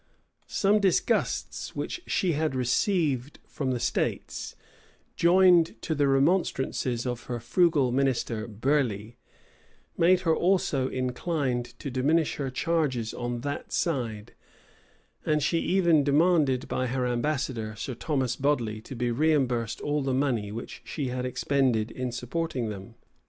Some disgusts which she had received from the states, joined to the remonstrances of her frugal minister, Burleigh, made her also inclined to diminish her charges on that side, and she even demanded by her ambassador, Sir Thomas Bodley, to be reimbursed all the money which she had expended in supporting them.